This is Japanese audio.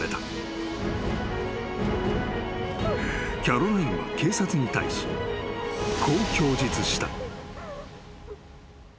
［キャロラインは警察に対しこう供述した］